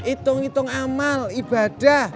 itung itung amal ibadah